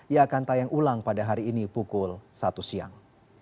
ia akan tayang ulang pada hari ini pukul satu siang